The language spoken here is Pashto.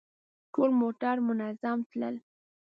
ټول موټر منظم تلل.